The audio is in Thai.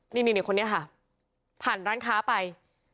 นี่คนนี้ค่ะผ่านร้านค้าไป